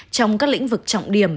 trong các lĩnh vực trọng điểm